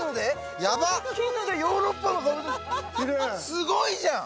すごいじゃん。